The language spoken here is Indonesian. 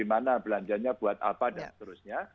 bagaimana belanjanya buat apa dan seterusnya